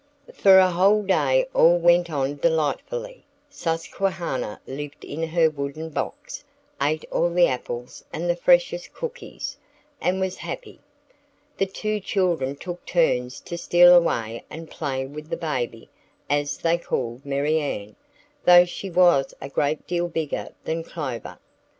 For a whole day all went on delightfully. Susquehanna lived in her wooden box, ate all the apples and the freshest cookies, and was happy. The two children took turns to steal away and play with the "Baby," as they called Marianne, though she was a great deal bigger than Clover.